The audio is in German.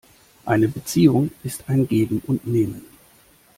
Eine Beziehung ist ein Geben und Nehmen.